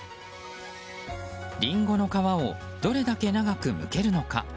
リンゴの皮をどれだけ長くむけるのか。